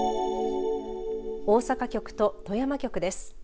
大阪局と富山局です。